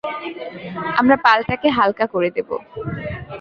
আমরা পালটাকে হালকা করে দেবো।